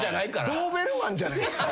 ドーベルマンじゃないっすか。